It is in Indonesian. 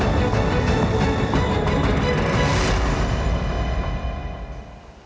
tim liputan kompas tv